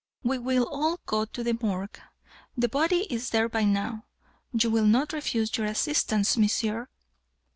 "We will all go to the Morgue. The body is there by now. You will not refuse your assistance, monsieur?"